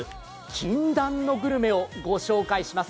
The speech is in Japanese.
禁断のグルメをご紹介します。